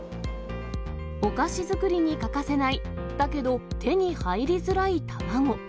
お菓子作りに欠かせない、だけど手に入りづらい卵。